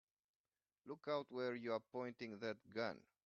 Look out where you're pointing that gun!